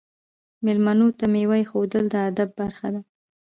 میلمنو ته میوه ایښودل د ادب برخه ده.